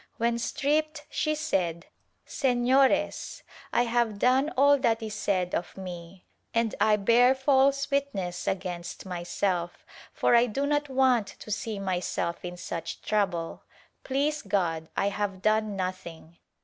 When stripped, she said "senores, I have done all that is said of me and I bear false witness against myself, for I do not want to see myself in such trouble; please God, I have done nothing."